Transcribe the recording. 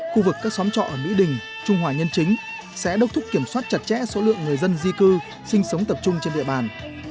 khu vực các xóm trọ ở mỹ đình trung hòa nhân chính sẽ đốc thúc kiểm soát chặt chẽ số lượng người dân di cư sinh sống tập trung trên địa bàn